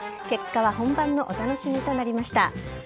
結果は本番のお楽しみとなりました。